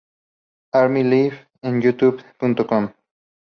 Army life en youtube.com